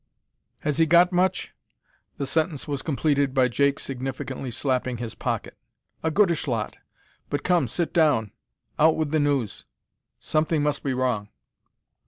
"Has he got much?" the sentence was completed by Jake significantly slapping his pocket. "A goodish lot. But come, sit down and out wi' the news. Something must be wrong."